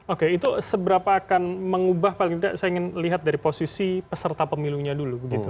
oke itu seberapa akan mengubah paling tidak saya ingin lihat dari posisi peserta pemilunya dulu